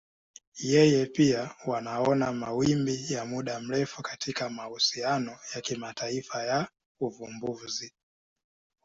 Yeye pia wanaona mawimbi ya muda mrefu katika mahusiano ya kimataifa ya uvumbuzi.